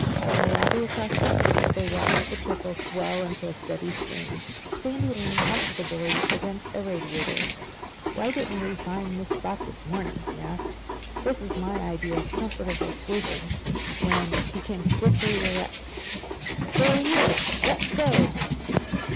From a lobby across the street they watched the trickle swell to a steady stream. Sandy leaned comfortably against a radiator. "Why didn't we find this spot this morning?" he asked. "This is my idea of comfortable sleuthing. When—" He came swiftly erect. "There he is! Let's go."